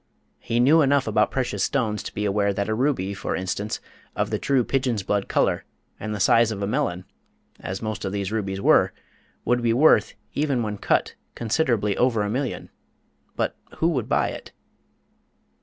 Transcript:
He knew enough about precious stones to be aware that a ruby, for instance, of the true "pigeon's blood" colour and the size of a melon, as most of these rubies were, would be worth, even when cut, considerably over a million; but who would buy it?